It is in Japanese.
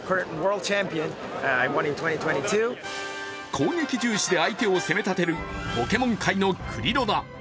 攻撃重視で相手を攻め立てるポケモン界のクリロナ。